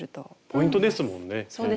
ポイントですもんね。